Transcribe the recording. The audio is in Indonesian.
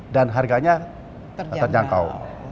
dan harganya terjangkau